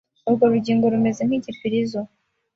Urwo rugingo rumeze nk’igipirizo